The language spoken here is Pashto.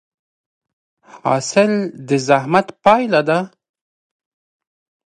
حاصل د زحمت پایله ده؟